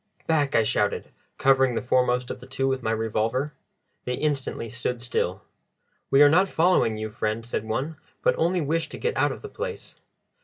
"Back!" I shouted, covering the foremost of the two with my revolver. They instantly stood still. "We are not following you, friend," said one, "but only wish to get out of the place."